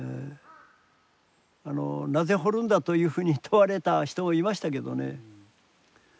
「なぜ掘るんだ」というふうに問われた人もいましたけどね。